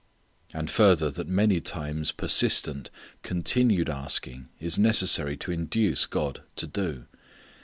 And further, that many times persistent, continued asking is necessary to induce God to do.